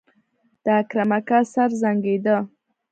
د اکرم اکا سر زانګېده.